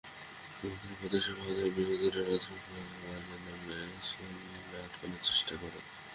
অন্ধ্র প্রদেশ ভাগের বিরোধীরা রাজ্যসভার ওয়েলে নেমে এসে বিল আটকানোর চেষ্টা করেন।